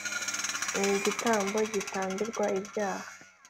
n igitambo gitambirwa ibyaha